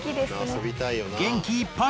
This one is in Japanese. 元気いっぱい！